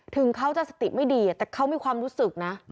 ถึงเขาจะสติไม่ดีแต่เขามีความรู้สึกนะ